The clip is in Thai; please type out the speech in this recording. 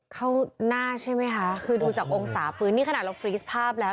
เข้าหน้าใช่ไหมคะคือดูจากองศาปืนนี่ขนาดเราฟรีสภาพแล้ว